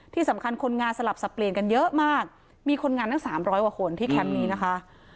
ที่สำคัญคนงานสลับสับเปลี่ยนกันเยอะมากมีคนงานทั้งสามร้อยกว่าคนที่แคมป์นี้นะคะ